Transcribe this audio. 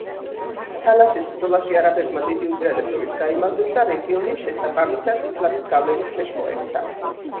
თალასის ბრძოლაში არაბებმა დიდი უპირატესობით გაიმარჯვეს და რეგიონი შესაბამისად ისლამის გავლენის ქვეშ მოექცა.